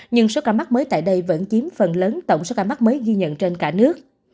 nhưng số ca mắc mới tại đây vẫn chiếm phần lớn tổng số ca mắc mới ghi nhận trên cả nước